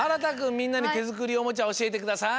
みんなにてづくりおもちゃおしえてください。